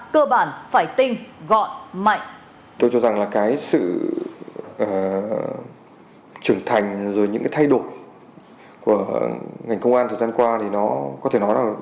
cơ bản phải tinh gọn mạnh